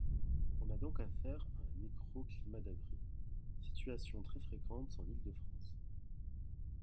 On a donc affaire à un micro climat d'abri, situation très fréquente en Île-de-France.